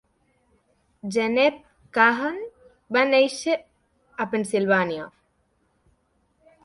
Jenette Kahn va créixer a Pennsilvània.